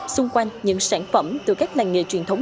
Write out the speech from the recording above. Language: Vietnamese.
xung quanh những sản phẩm từ các làng nghề truyền thống